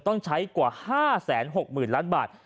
ต้องใช้กว่า๕๖๐๐๐ล้านบาท